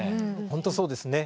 本当そうですね。